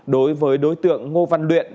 đối với đối tượng ngô văn luyện